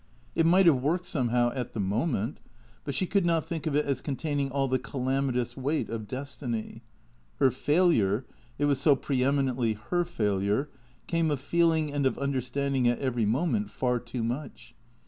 It might have worked, somehow, at the moment; but she could not think of it as containing all the calamitous weight of destiny. Her failure (it was so pre eminently her failure) came of feeling and of understanding at every moment far too much.